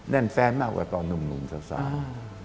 แน่นแฟนมากกว่าตอนหนุ่มสาว